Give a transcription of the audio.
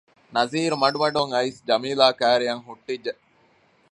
ނަޒީރު މަޑުމަޑުން އައިސް ޖަމީލާ ކައިރިއަށް ހުއްޓިއްޖެ